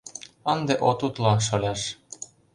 Ынде от утло, шоляш.